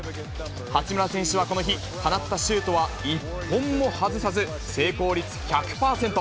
八村選手はこの日、放ったシュートは１本も外さず、成功率１００％。